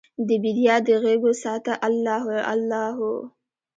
دبیدیا د غیږوسعته الله هو، الله هو